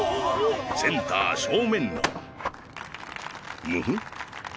センター正面のムフ。